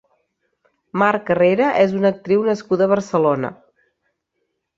Mar Carrera és una actriu nascuda a Barcelona.